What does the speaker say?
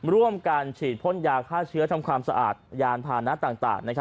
ร่วมกันฉีดพ่นยาฆ่าเชื้อทำความสะอาดยานพานะต่าง